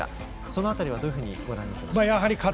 その辺りは、どういうふうにご覧になっていましたか？